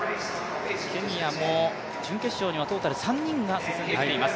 ケニアも準決勝にはトータル３人が進んできています。